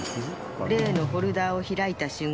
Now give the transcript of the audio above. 例のフォルダを開いた瞬間